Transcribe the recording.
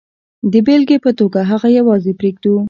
د بېلګې په توګه هغه یوازې پرېږدو.